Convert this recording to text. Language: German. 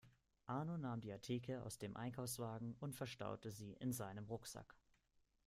Arno nahm die Artikel aus dem Einkaufswagen und verstaute sie in seinem Rucksack.